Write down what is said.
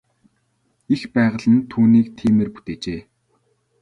Эх байгаль нь түүнийг тиймээр бүтээжээ.